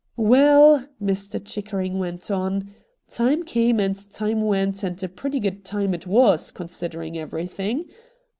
46 RED DIAMONDS ' Waal,' Mr. Chickering went on, ' time came and time went, and a pretty good time it was, considering everything.